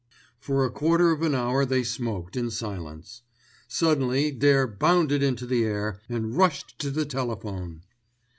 For a quarter of an hour they smoked in silence. Suddenly Dare bounded into the air, and rushed to the telephone.